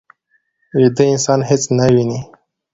ویده انسان هېڅ نه ویني